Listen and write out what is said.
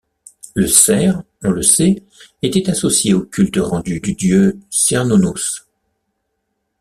Le cerf, on le sait était associé au culte rendu du dieu Cernunnos.